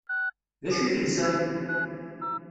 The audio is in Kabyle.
D acu i telsam?